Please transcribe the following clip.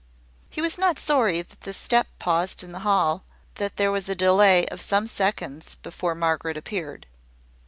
He was not sorry that the step paused in the hall, that there was a delay of some seconds before Margaret appeared.